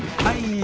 はい！